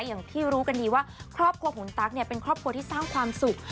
อย่างที่รู้กันดีว่าครอบครัวของคุณตั๊กเนี่ยเป็นครอบครัวที่สร้างความสุข